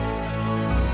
biar allah ragui disitu